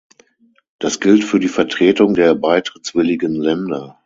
Das gilt für die Vertretung der beitrittswilligen Länder.